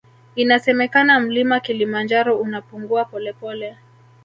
Inasemekana mlima kilimanjaro unapungua polepole